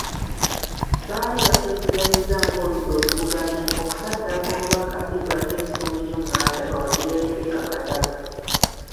Baali bakkiriziganyizza ng’oludda oluvuganya, okusaddaaka omubaka Ibrahim Ssemujju Nganda, bawagire Rebecca Kadaga .